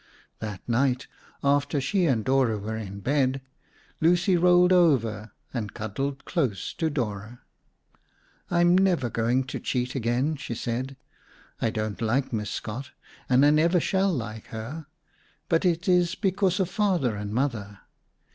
That night, after she and Dora were in bed, Lucy rolled over and cuddled close to Dora. "I am never going to cheat again," she said. "I don't like Miss Scott and I never shall like her, but it is because of Father and Mother.